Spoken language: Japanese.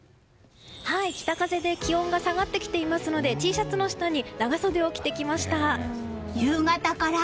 北風で気温が下がってきていますのでＴシャツの下に長袖を着てきました。